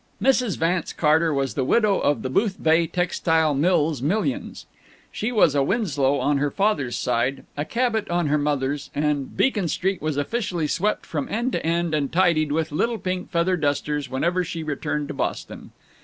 Mrs. Vance Carter was the widow of the Boothbay Textile Mills millions. She was a Winslow on her father's side, a Cabot on her mother's, and Beacon Street was officially swept from end to end and tidied with little pink feather dusters whenever she returned to Boston.